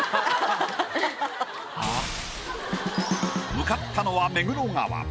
向かったのは目黒川。